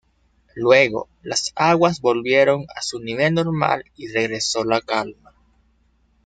Luego, las aguas volvieron a su nivel normal y regresó la calma.